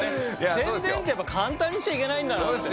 宣伝ってやっぱ簡単にしちゃいけないんだなって。